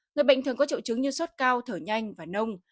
người bệnh thường có triệu chứng như sốt cao thở nhanh và nông